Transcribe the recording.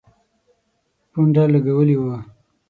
پونډه لګولي وه.